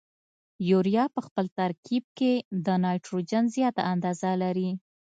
یوریا په خپل ترکیب کې د نایتروجن زیاته اندازه لري.